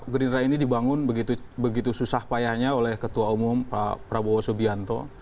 gerindra ini dibangun begitu susah payahnya oleh ketua umum pak prabowo subianto